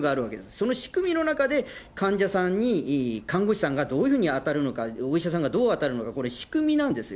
その仕組みの中で、患者さんに看護師さんがどういうふうに当たるのか、お医者さんがどう当たるのか、これ、仕組みなんですよ。